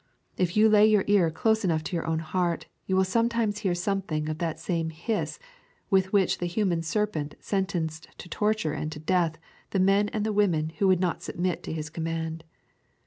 If you lay your ear close enough to your own heart, you will sometimes hear something of that same hiss with which that human serpent sentenced to torture and to death the men and the women who would not submit to his command.